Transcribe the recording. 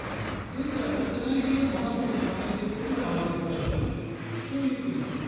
軍隊を持っていないけれどもＮＡＴＯに加盟することで安全保障をやっているというそういう国もある。